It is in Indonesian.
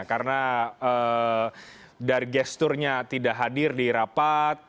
karena dari gesturnya tidak hadir di rapat